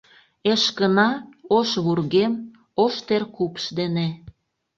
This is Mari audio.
Эшкына — ош вургем, ош теркупш дене.